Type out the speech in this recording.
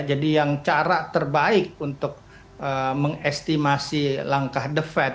jadi yang cara terbaik untuk mengestimasi langkah the fed